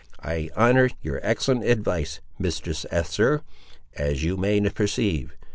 "I honour your excellent advice, Mistress Esther, as you may perceive.